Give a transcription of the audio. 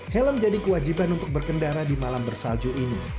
helm jadi kewajiban untuk berkendara di malam bersalju ini